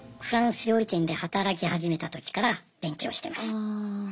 フランス料理店で働き始めたときから勉強してます。